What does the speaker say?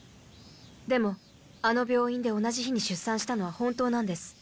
でもあの病院で同じ日に出産したのは本当なんです。